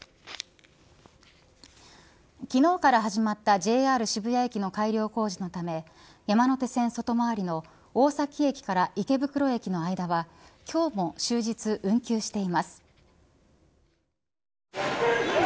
昨日から始まったＪＲ渋谷駅の改良工事のため山手線外回りの大崎駅から池袋駅の間は今日も終日運休しています。